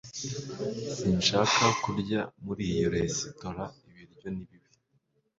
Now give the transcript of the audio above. sinshaka kurya muri iyo resitora. ibiryo ni bibi